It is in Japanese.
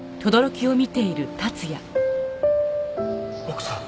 奥さん。